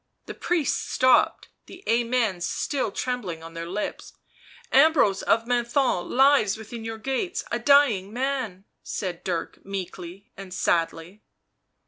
The priests stopped, the " amens " still trembling on their lips. " Ambrose of Menthon lies within your gates a dying man," said Dirk meekly and sadly.